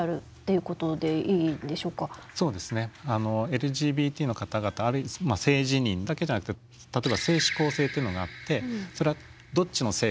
ＬＧＢＴの方々性自認だけじゃなくて例えば性指向性っていうのがあってそれはどっちの性が好きですかと。